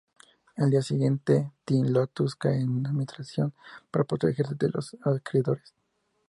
El día siguiente, Team Lotus cae en administración para protegerse de los acreedores.